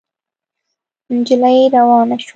نجلۍ روانه شوه.